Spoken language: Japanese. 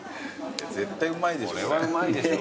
絶対うまいでしょ。